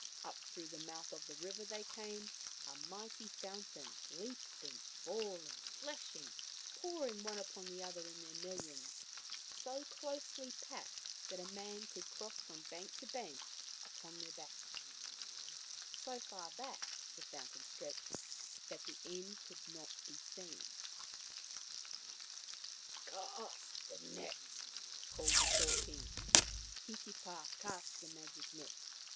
Up through the mouth of the river they came, a mighty foun tain, leaping, falling, flashing, pouring one upon another in their millions, so closely packed that a man could cross from bank to bank upon their backs. So far back the fountain stretched that the end could not be seen. " Cast the net," called the Shore King. Titipa cast the magic net.